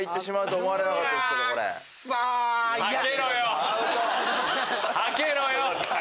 はけろよ！